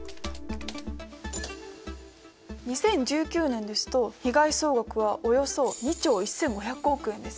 ２０１９年ですと被害総額はおよそ２兆１，５００億円です。